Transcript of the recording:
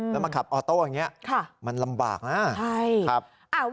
แล้วมาขับออโต้อย่างเนี้ยค่ะมันลำบากน่ะใช่ครับ